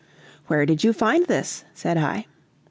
"Where did you find this?" said I.